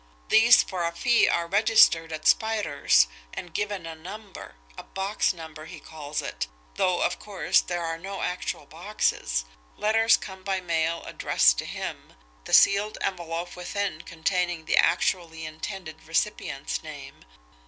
These, for a fee, are registered at Spider's, and given a number a box number he calls it, though, of course, there are no actual boxes. Letters come by mail addressed to him the sealed envelope within containing the actually intended recipient's name.